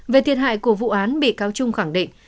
về thiệt hại của vụ án bị cáo trung khẳng định